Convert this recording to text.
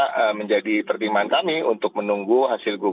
response dari pemilih sinkor itu keadaan masyarakat